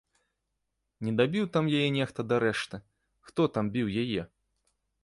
Не дабіў там яе нехта дарэшты, хто там біў яе!